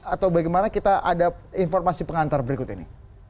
atau bagaimana kita ada informasi pengantar berikut ini